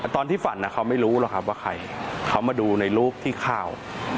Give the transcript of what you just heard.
ตอนที่ฝันเขาไม่รู้หรอกครับว่าใครเขามาดูในรูปที่ข้าว